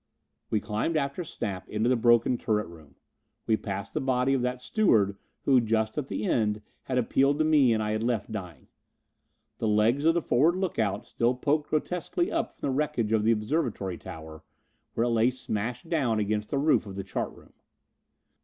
We climbed after Snap into the broken turret room. We passed the body of that steward who just at the end had appealed to me and I had left dying. The legs of the forward look out still poked grotesquely up from the wreckage of the observatory tower where it lay smashed down against the roof of the chart room.